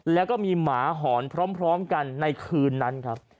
แล้วก็มีหมาหอนพร้อมกันในคืนนั้นครับ